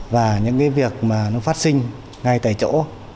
và những cái việc mà nó phát sinh ngay tại chỗ